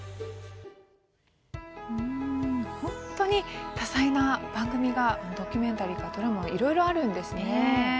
本当に多彩な番組がドキュメンタリーからドラマまでいろいろあるんですね。